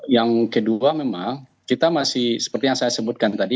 yang kedua memang kita masih seperti yang saya sebutkan tadi